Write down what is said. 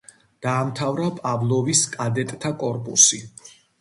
დაამთავრა პავლოვის კადეტთა კორპუსი.